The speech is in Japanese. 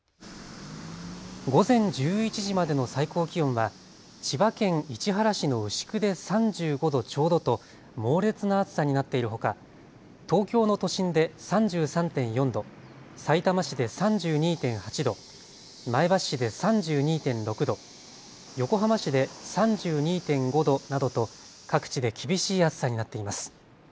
午前１１時までの最高気温は千葉県市原市の牛久で３５度ちょうどと猛烈な暑さになっているほか、東京の都心で３３．４度、さいたま市で３２．８度、前橋市で３２．６度、横浜市で３２．５度などと各地で厳しい暑さになっています。